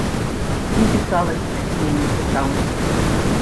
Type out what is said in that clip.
Не пісалася пісьменніку там.